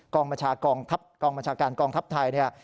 กองบัญชาการกองทัพไทย